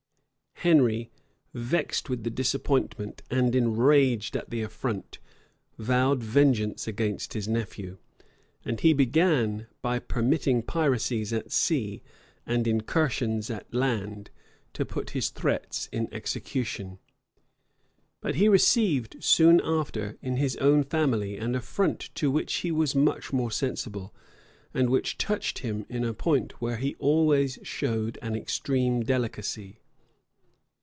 Henry, vexed with the disappointment, and enraged at the affront, vowed vengeance against his nephew; and he began, by permitting piracies at sea and incursions at land, to put his threats in execution. But he received soon after, in his own family, an affront to which he was much more sensible, and which touched him in a point where he always showed an extreme delicacy.